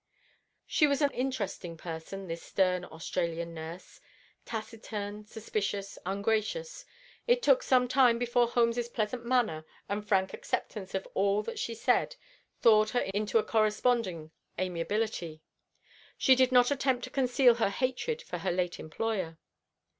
She was an interesting person, this stern Australian nurse. Taciturn, suspicious, ungracious, it took some time before Holmes's pleasant manner and frank acceptance of all that she said thawed her into a corresponding amiability. She did not attempt to conceal her hatred for her late employer.